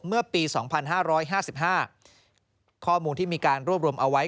เมื่อปี๒๕๕๕ข้อมูลที่มีการรวบรวมเอาไว้